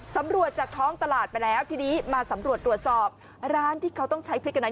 สำรวจจากท้องตลาดไปแล้วทีนี้มาสำรวจตรวจสอบร้านที่เขาต้องใช้พริกกันใน